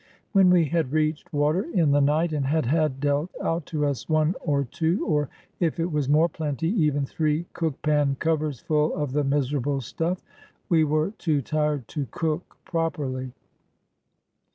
When we had reached water in the night and had had dealt out to us one or two, or, if it was more plenty, even three cook pan covers full of the miserable stuff, we were too tired to cook properly.